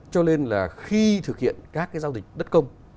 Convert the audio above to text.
cho nên là khi thực hiện các cái giao dịch đất công